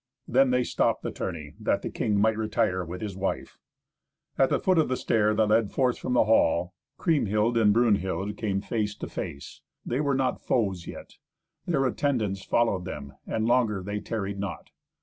Then they stopped the tourney, that the king might retire with his wife. At the foot of the stair that led forth from the hall, Kriemhild and Brunhild came face to face. They were not foes yet. Their attendants followed them, and longer they tarried not.